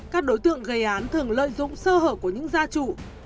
các đối tượng gây án thường lợi dụng sơ hở của những gia trụ